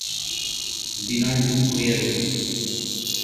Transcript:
বিনয় চুপ করিয়া রহিল।